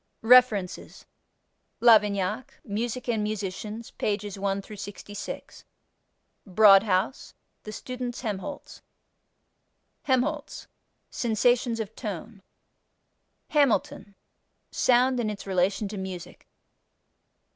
REFERENCES Lavignac Music and Musicians, pp. 1 66. Broadhouse The Student's Helmholz. Helmholtz Sensations of Tone. Hamilton Sound and its Relation to Music.